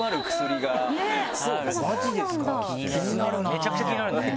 めちゃくちゃ気になるね。